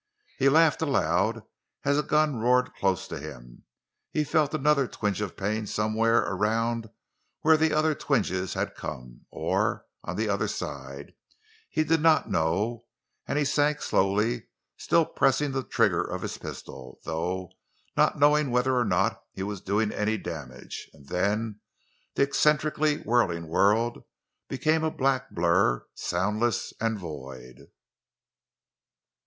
He laughed aloud as a gun roared close to him; he felt another twinge of pain somewhere around where the other twinges had come—or on the other side—he did not know; and he sank slowly, still pressing the trigger of his pistol, though not knowing whether or not he was doing any damage. And then the eccentrically whirling world became a black blur, soundless and void.